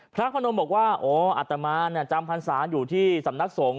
พระพนมบอกว่าอ๋ออัตมานจำพรรษาอยู่ที่สำนักสงฆ